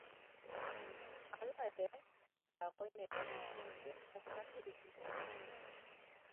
Hala ere, dagoeneko guztiak askatu dituzte.